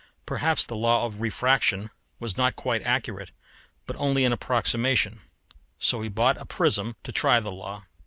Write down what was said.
Perhaps the law of refraction was not quite accurate, but only an approximation. So he bought a prism to try the law.